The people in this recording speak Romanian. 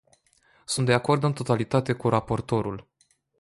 Sunt de acord în totalitate cu raportorul.